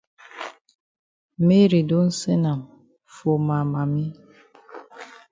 Mary don send am for ma mami.